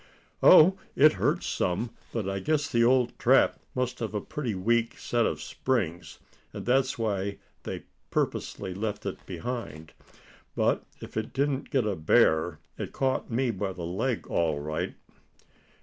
"Oh! it hurts some, but I guess the old trap must have a pretty weak set of springs, and that's why they purposely left it behind. But if it didn't get a bear, it caught me by the leg, all right."